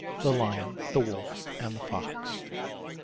THE LION, THE WOLF, AND THE FOX.